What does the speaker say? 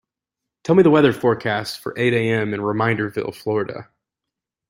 Tell me the weather forecast for eight A.m. in Reminderville, Florida